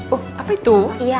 oh apa itu